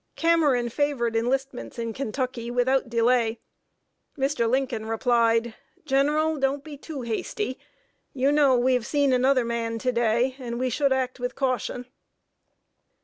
_" Cameron favored enlistments in Kentucky, without delay. Mr. Lincoln replied: "General, don't be too hasty; you know we have seen another man to day, and we should act with caution."